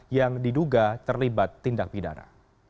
yang diduga terlibat tindak pidana